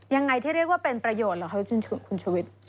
ยังไงที่เรียกว่าเป็นประโยชน์เหรอคะคุณชุวิต